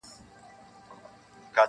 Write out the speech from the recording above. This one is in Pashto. وجود دي کندهار دي او باړخو دي سور انار دی,